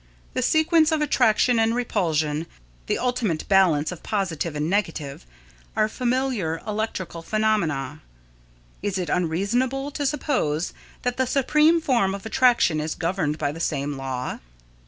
The sequence of attraction and repulsion, the ultimate balance of positive and negative, are familiar electrical phenomena. Is it unreasonable to suppose that the supreme form of attraction is governed by the same law?